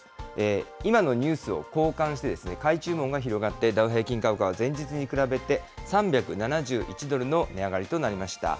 今のニュースを好感してですね、買い注文が広がって、ダウ平均株価は前日に比べて３７１ドルの値上がりとなりました。